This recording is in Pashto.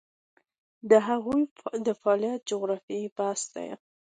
د هغوی د فعالیت د جغرافیې بحث دی.